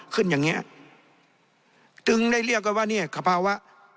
ขึ้นอย่างเงี้ยจึงได้เรียกกันว่าเนี่ยกับภาวะ